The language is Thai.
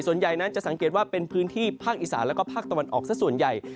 ส่วนใหญ่นั้นจะสังเกตว่าเป็นพื้นที่ภาคอีสานแล้วก็ภาคตะวันออกสักส่วนใหญ่